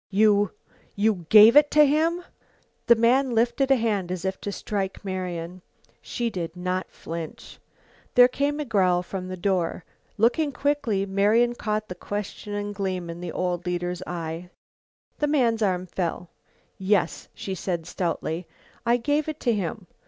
"You you gave it to him!" The man lifted a hand as if to strike Marian. She did not flinch. There came a growl from the door. Looking quickly, Marian caught the questioning gleam in the old leader's eye. The man's arm fell. "Yes," she said stoutly, "I gave it to him.